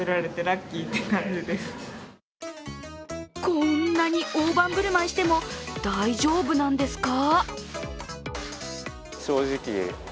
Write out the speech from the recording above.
こんなに大盤振る舞いしても大丈夫なんですか？